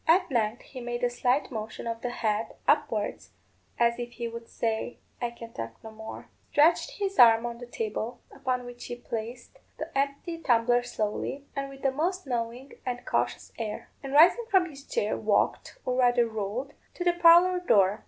At length he made a slight motion of the head upwards, as if he would say, "I can talk no more;" stretched his arm on the table, upon which he placed the empty tumbler slowly, and with the most knowing and cautious air; and rising from his chair, walked, or rather rolled, to the parlour door.